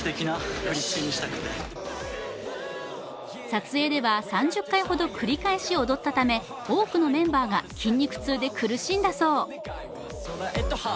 撮影では３０回ほど繰り返し踊ったため多くのメンバーが筋肉痛で苦しんだそう。